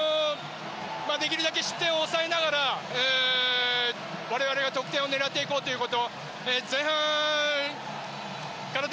できるだけ失点を抑えながら我々が得点を狙っていこうということ。